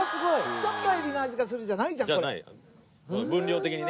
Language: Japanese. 「ちょっとエビの味がする」じゃない分量的にね